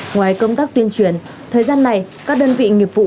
ngoài công tác tuyên truyền thời gian này các đơn vị nghiệp vụ